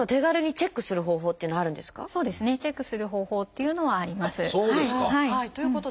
チェックする方法っていうのはあります。